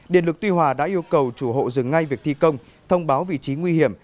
điện lực tuy hòa đã yêu cầu chủ hộ dừng ngay việc thi công thông báo vị trí nguy hiểm